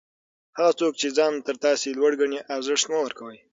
هغه څوک چي ځان تر تاسي لوړ ګڼي؛ ارزښت مه ورکوئ!